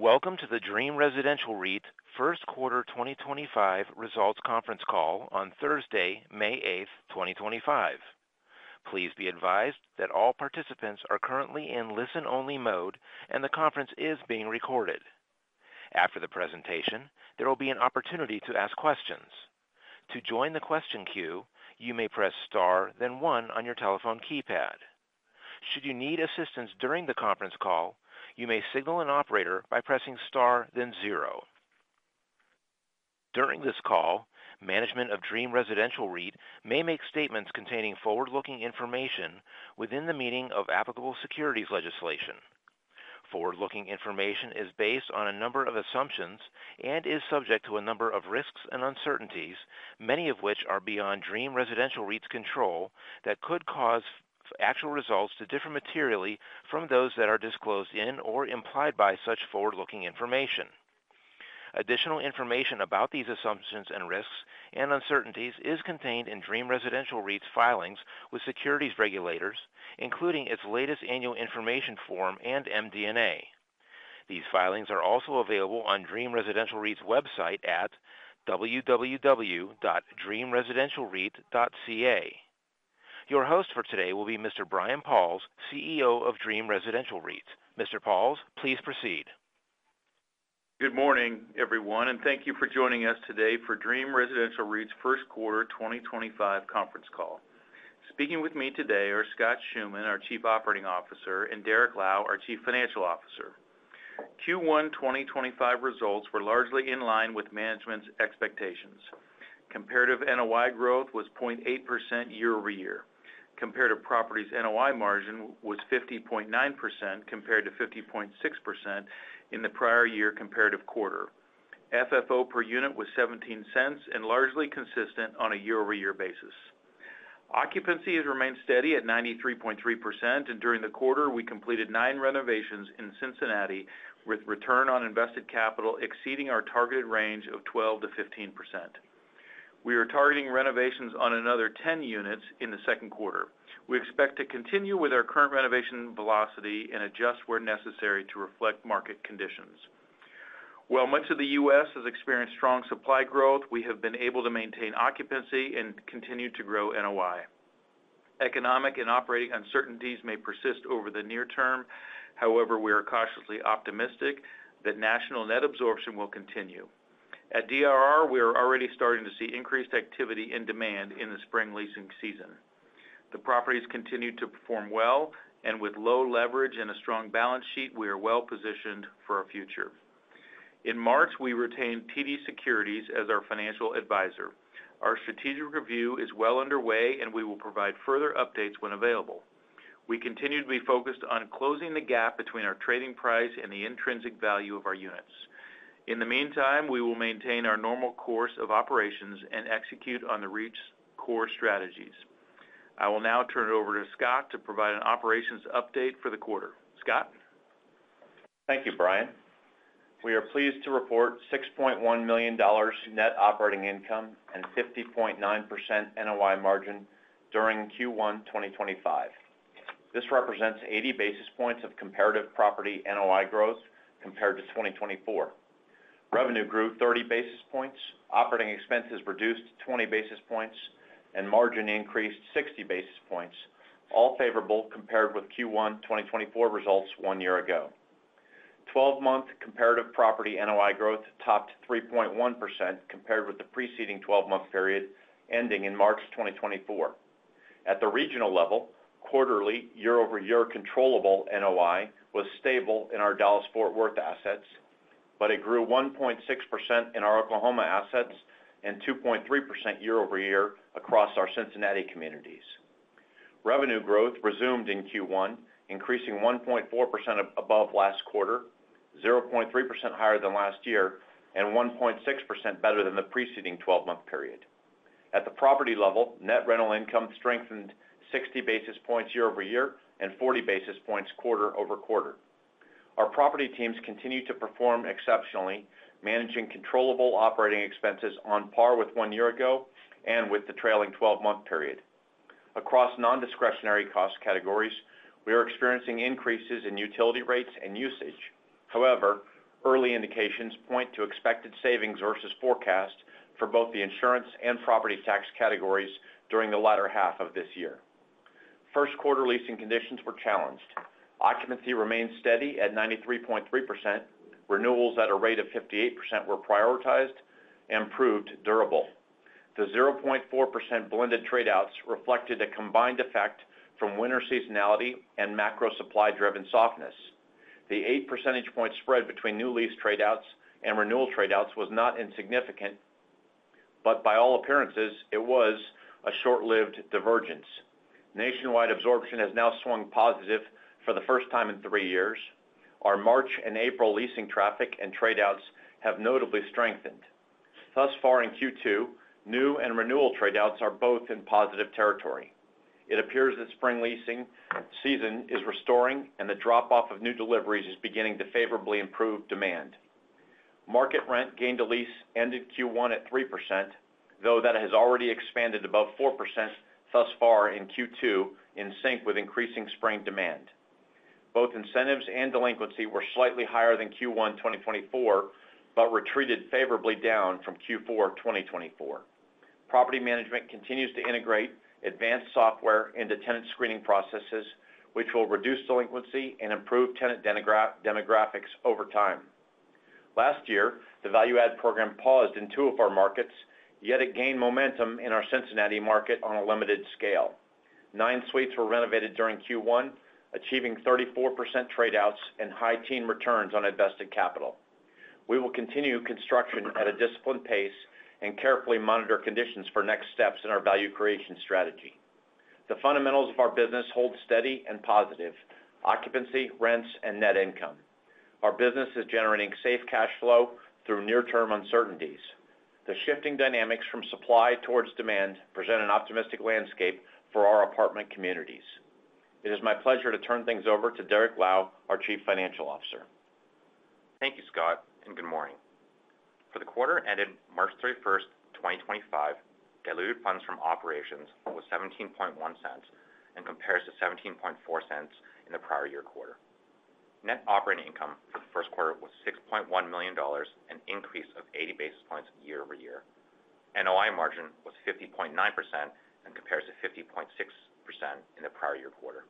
Welcome to the Dream Residential REIT First Quarter 2025 Results Conference call on Thursday, May 8th, 2025. Please be advised that all participants are currently in listen-only mode and the conference is being recorded. After the presentation, there will be an opportunity to ask questions. To join the question queue, you may press star, then one on your telephone keypad. Should you need assistance during the conference call, you may signal an operator by pressing star, then zero. During this call, management of Dream Residential REIT may make statements containing forward-looking information within the meaning of applicable securities legislation. Forward-looking information is based on a number of assumptions and is subject to a number of risks and uncertainties, many of which are beyond Dream Residential REIT's control that could cause actual results to differ materially from those that are disclosed in or implied by such forward-looking information. Additional information about these assumptions and risks and uncertainties is contained in Dream Residential REIT's filings with securities regulators, including its latest annual information form and MD&A. These filings are also available on Dream Residential REIT's website at www.dreamresidentialreit.ca. Your host for today will be Mr. Brian Pauls, CEO of Dream Residential REIT. Mr. Pauls, please proceed. Good morning, everyone, and thank you for joining us today for Dream Residential REIT's First Quarter 2025 Conference Call. Speaking with me today are Scott Schoeman, our Chief Operating Officer, and Derrick Lau, our Chief Financial Officer. Q1 2025 results were largely in line with management's expectations. Comparative NOI growth was 0.8% year-over-year. Comparative properties NOI margin was 50.9% compared to 50.6% in the prior year comparative quarter. FFO per unit was $0.17 and largely consistent on a year-over-year basis. Occupancy has remained steady at 93.3%, and during the quarter, we completed nine renovations in Cincinnati, with return on invested capital exceeding our targeted range of 12%-15%. We are targeting renovations on another 10 units in the second quarter. We expect to continue with our current renovation velocity and adjust where necessary to reflect market conditions. While much of the U.S. has experienced strong supply growth, we have been able to maintain occupancy and continue to grow NOI. Economic and operating uncertainties may persist over the near term. However, we are cautiously optimistic that national net absorption will continue. At DRR, we are already starting to see increased activity in demand in the spring leasing season. The properties continue to perform well, and with low leverage and a strong balance sheet, we are well positioned for our future. In March, we retained TD Securities as our financial advisor. Our strategic review is well underway, and we will provide further updates when available. We continue to be focused on closing the gap between our trading price and the intrinsic value of our units. In the meantime, we will maintain our normal course of operations and execute on the REIT's core strategies. I will now turn it over to Scott to provide an operations update for the quarter. Scott? Thank you, Brian. We are pleased to report $6.1 million net operating income and 50.9% NOI margin during Q1 2025. This represents 80 basis points of comparative property NOI growth compared to 2024. Revenue grew 30 basis points, operating expenses reduced 20 basis points, and margin increased 60 basis points, all favorable compared with Q1 2024 results one year ago. Twelve-month comparative property NOI growth topped 3.1% compared with the preceding twelve-month period ending in March 2024. At the regional level, quarterly year-over-year controllable NOI was stable in our Dallas-Fort Worth assets, but it grew 1.6% in our Oklahoma assets and 2.3% year-over-year across our Cincinnati communities. Revenue growth resumed in Q1, increasing 1.4% above last quarter, 0.3% higher than last year, and 1.6% better than the preceding twelve-month period. At the property level, net rental income strengthened 60 basis points year-over-year and 40 basis points quarter-over-quarter. Our property teams continue to perform exceptionally, managing controllable operating expenses on par with one year ago and with the trailing 12-month period. Across non-discretionary cost categories, we are experiencing increases in utility rates and usage. However, early indications point to expected savings versus forecast for both the insurance and property tax categories during the latter half of this year. First quarter leasing conditions were challenged. Occupancy remained steady at 93.3%. Renewals at a rate of 58% were prioritized and proved durable. The 0.4% blended tradeouts reflected a combined effect from winter seasonality and macro supply-driven softness. The 8 percentage point spread between new lease tradeouts and renewal tradeouts was not insignificant, but by all appearances, it was a short-lived divergence. Nationwide absorption has now swung positive for the first time in three years. Our March and April leasing traffic and tradeouts have notably strengthened. Thus far in Q2, new and renewal tradeouts are both in positive territory. It appears that spring leasing season is restoring and the drop-off of new deliveries is beginning to favorably improve demand. Market rent gained a lease ended Q1 at 3%, though that has already expanded above 4% thus far in Q2, in sync with increasing spring demand. Both incentives and delinquency were slightly higher than Q1 2024, but retreated favorably down from Q4 2024. Property management continues to integrate advanced software into tenant screening processes, which will reduce delinquency and improve tenant demographics over time. Last year, the value-add program paused in two of our markets, yet it gained momentum in our Cincinnati market on a limited scale. Nine suites were renovated during Q1, achieving 34% tradeouts and high teen returns on invested capital. We will continue construction at a disciplined pace and carefully monitor conditions for next steps in our value creation strategy. The fundamentals of our business hold steady and positive: occupancy, rents, and net income. Our business is generating safe cash flow through near-term uncertainties. The shifting dynamics from supply towards demand present an optimistic landscape for our apartment communities. It is my pleasure to turn things over to Derrick Lau, our Chief Financial Officer. Thank you, Scott, and good morning. For the quarter ended March 31st, 2025, diluted funds from operations was $0.171 and compares to $0.174 in the prior year quarter. Net operating income for the first quarter was $6.1 million and increased 80 basis points year-over-year. NOI margin was 50.9% and compares to 50.6% in the prior year quarter.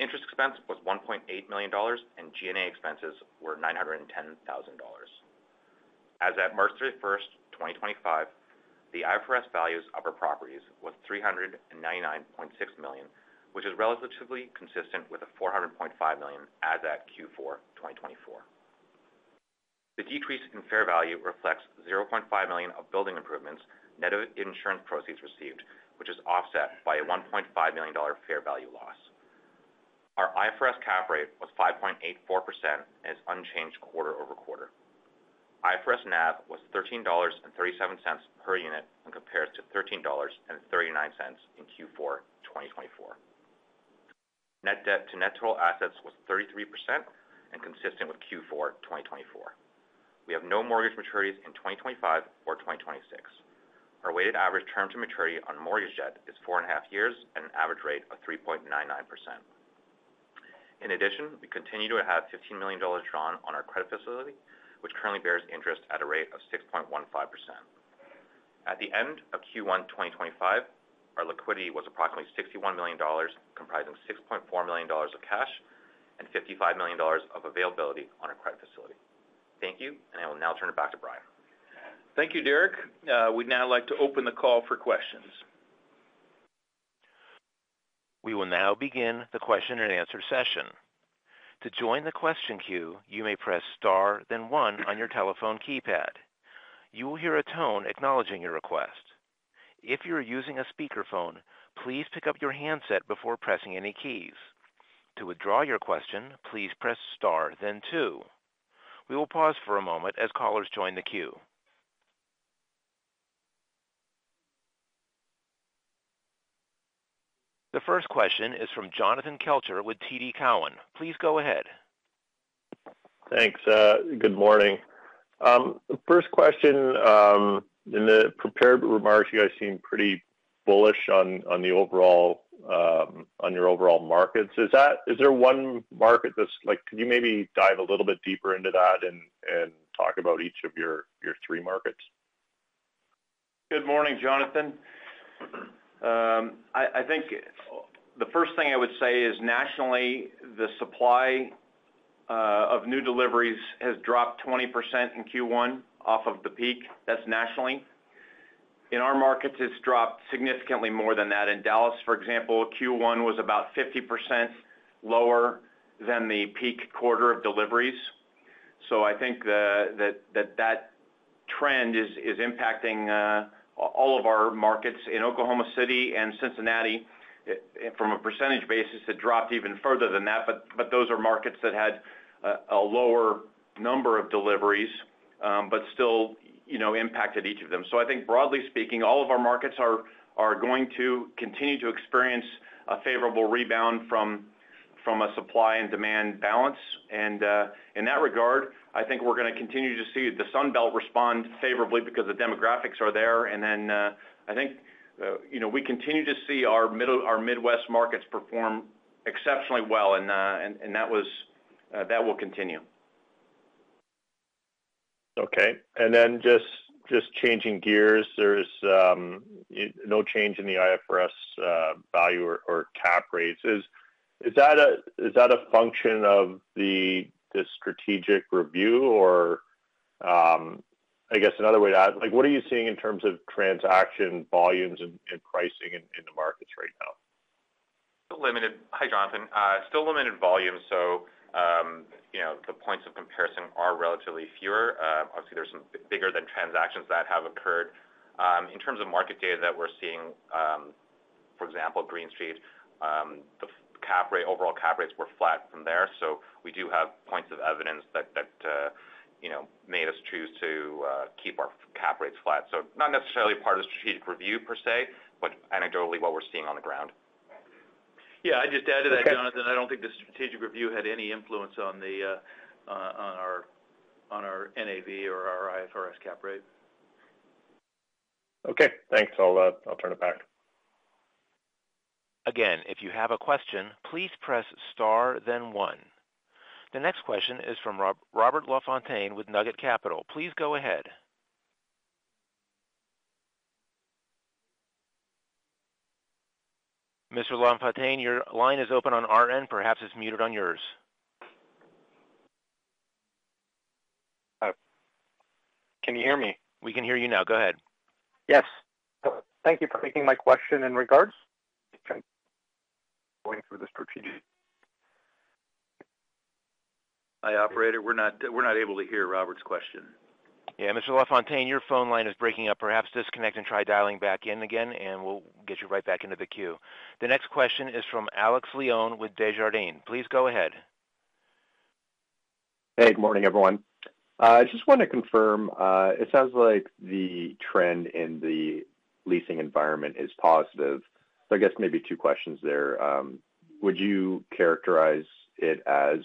Interest expense was $1.8 million and G&A expenses were $910,000. As at March 31st, 2025, the IFRS values of our properties was $399.6 million, which is relatively consistent with $400.5 million as at Q4 2024. The decrease in fair value reflects $500,000 of building improvements netted insurance proceeds received, which is offset by a $1.5 million fair value loss. Our IFRS cap rate was 5.84% and is unchanged quarter-over-quarter. IFRS NAV was $13.37 per unit and compares to $13.39 in Q4 2024. Net debt to net total assets was 33% and consistent with Q4 2024. We have no mortgage maturities in 2025 or 2026. Our weighted average term to maturity on mortgage debt is four and a half years at an average rate of 3.99%. In addition, we continue to have $15 million drawn on our credit facility, which currently bears interest at a rate of 6.15%. At the end of Q1 2025, our liquidity was approximately $61 million, comprising $6.4 million of cash and $55 million of availability on our credit facility. Thank you, and I will now turn it back to Brian. Thank you, Derrick. We'd now like to open the call for questions. We will now begin the question and answer session. To join the question queue, you may press star, then one on your telephone keypad. You will hear a tone acknowledging your request. If you are using a speakerphone, please pick up your handset before pressing any keys. To withdraw your question, please press star, then two. We will pause for a moment as callers join the queue. The first question is from Jonathan Kelcher with TD Cowen. Please go ahead. Thanks. Good morning. First question, in the prepared remarks, you guys seem pretty bullish on the overall markets. Is there one market that's like, could you maybe dive a little bit deeper into that and talk about each of your three markets? Good morning, Jonathan. I think the first thing I would say is nationally, the supply of new deliveries has dropped 20% in Q1 off of the peak. That's nationally. In our markets, it's dropped significantly more than that. In Dallas, for example, Q1 was about 50% lower than the peak quarter of deliveries. I think that that trend is impacting all of our markets in Oklahoma City and Cincinnati from a percentage basis. It dropped even further than that, but those are markets that had a lower number of deliveries, but still impacted each of them. I think broadly speaking, all of our markets are going to continue to experience a favorable rebound from a supply and demand balance. In that regard, I think we're going to continue to see the Sunbelt respond favorably because the demographics are there. I think we continue to see our Midwest markets perform exceptionally well, and that will continue. Okay. Just changing gears, there's no change in the IFRS value or cap rates. Is that a function of the strategic review, or I guess another way to ask, what are you seeing in terms of transaction volumes and pricing in the markets right now? Still limited. Hi, Jonathan. Still limited volume, so the points of comparison are relatively fewer. Obviously, there are some bigger than transactions that have occurred. In terms of market data that we are seeing, for example, Green Street, the overall cap rates were flat from there. We do have points of evidence that made us choose to keep our cap rates flat. Not necessarily part of the strategic review per se, but anecdotally what we are seeing on the ground. Yeah, I just added that, Jonathan. I don't think the strategic review had any influence on our NAV or our IFRS cap rate. Okay. Thanks. I'll turn it back. Again, if you have a question, please press star, then one. The next question is from Roger Lafontaine with Nugget Capital. Please go ahead. Mr. Lafontaine, your line is open on our end. Perhaps it is muted on yours. Can you hear me? We can hear you now. Go ahead. Yes. Thank you for taking my question in regards to going through the strategic. Hi, operator. We're not able to hear Roger's question. Yeah. Mr. Lafontaine, your phone line is breaking up. Perhaps disconnect and try dialing back in again, and we'll get you right back into the queue. The next question is from Alex Leon with Desjardins. Please go ahead. Hey, good morning, everyone. I just want to confirm. It sounds like the trend in the leasing environment is positive. I guess maybe two questions there. Would you characterize it as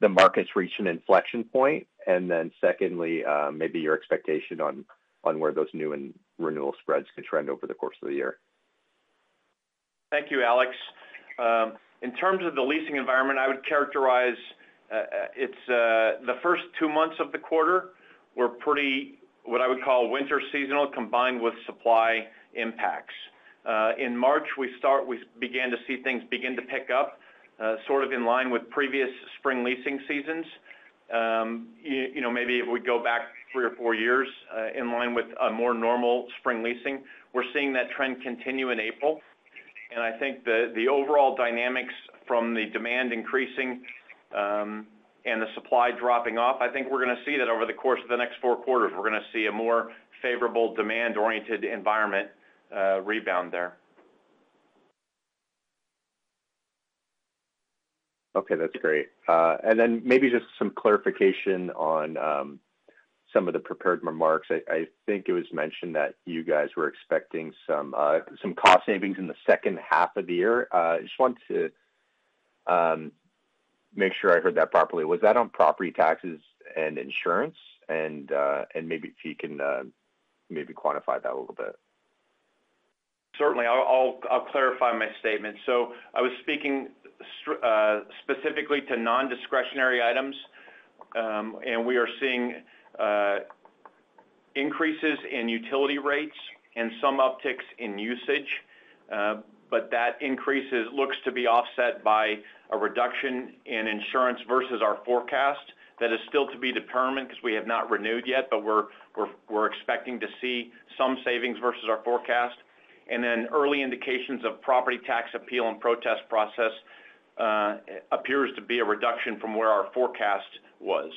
the markets reach an inflection point? Secondly, maybe your expectation on where those new and renewal spreads could trend over the course of the year. Thank you, Alex. In terms of the leasing environment, I would characterize the first two months of the quarter were pretty what I would call winter seasonal combined with supply impacts. In March, we began to see things begin to pick up sort of in line with previous spring leasing seasons. Maybe if we go back three or four years in line with a more normal spring leasing, we're seeing that trend continue in April. I think the overall dynamics from the demand increasing and the supply dropping off, I think we're going to see that over the course of the next four quarters, we're going to see a more favorable demand-oriented environment rebound there. Okay. That's great. Maybe just some clarification on some of the prepared remarks. I think it was mentioned that you guys were expecting some cost savings in the second half of the year. I just want to make sure I heard that properly. Was that on property taxes and insurance? Maybe if you can maybe quantify that a little bit. Certainly. I'll clarify my statement. I was speaking specifically to non-discretionary items, and we are seeing increases in utility rates and some upticks in usage. That increase looks to be offset by a reduction in insurance versus our forecast. That is still to be determined because we have not renewed yet, but we're expecting to see some savings versus our forecast. Early indications of property tax appeal and protest process appear to be a reduction from where our forecast was.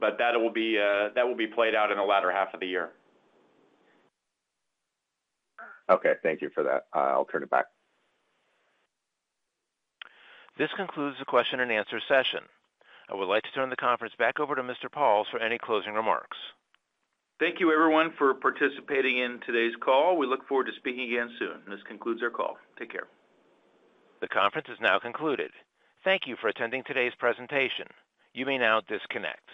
That will be played out in the latter half of the year. Okay. Thank you for that. I'll turn it back. This concludes the question and answer session. I would like to turn the conference back over to Mr. Pauls for any closing remarks. Thank you, everyone, for participating in today's call. We look forward to speaking again soon. This concludes our call. Take care. The conference is now concluded. Thank you for attending today's presentation. You may now disconnect.